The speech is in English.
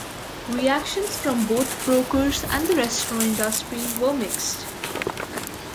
Reactions from both brokers and the restaurant industry were mixed.